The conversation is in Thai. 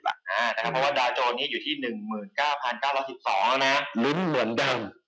เพราะว่าเดาโจนนี้อยู่ที่๑๙๙๑๒แล้วเริ่มมนต์ดัง